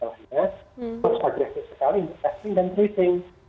terus agresif sekali untuk testing dan tracing